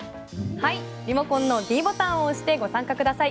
リモコンのｄボタンを押してご参加ください。